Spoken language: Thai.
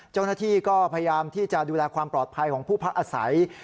เจ้าหน้าที่ก็พยายามที่จะดูแลความปลอดภัยของผู้พักอาศัย